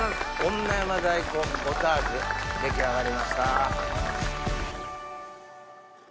女山大根ポタージュ出来上がりました。